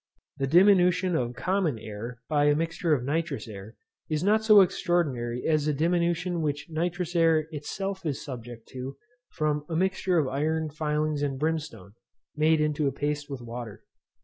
The diminution of common air by a mixture of nitrous air, is not so extraordinary as the diminution which nitrous air itself is subject to from a mixture of iron filings and brimstone, made into a paste with water.